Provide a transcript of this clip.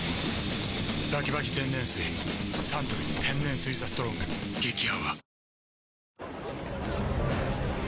サントリー天然水「ＴＨＥＳＴＲＯＮＧ」激泡